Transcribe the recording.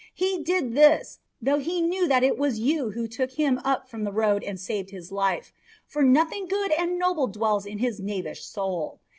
He did this, though he knew that it was you who took him up from the road and saved his life; for nothing good and noble dwells in his knavish soul.